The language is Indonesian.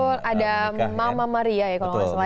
betul ada mama maria ya kalau nggak salah